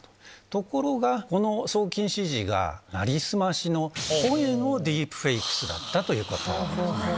ところが、この送金指示がなりすましの、声のディープフェイクスだったということで。